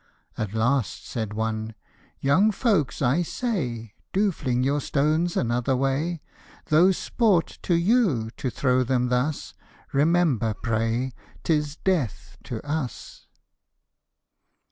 At last, said one, " Young folks, I say, Do fling your stones another way ; Though sport to you to throw them thus, Remember, pray, 'tis death to us